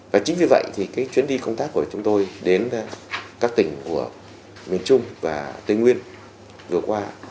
và chính vì vậy thì cái chuyến đi công tác của chúng tôi đến các tỉnh của miền trung và tây nguyên vừa qua